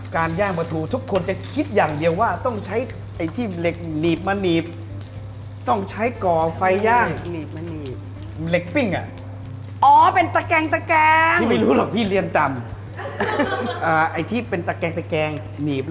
การย่างประถูทุกคนจะคิดอย่างเดียวว่าต้องใช้ไอ้ที่เหล็กหนีบมาหนีบ